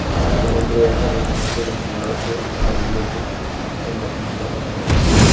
Su nombre hace referencia a la ciudad de Algete, en la comunidad de Madrid.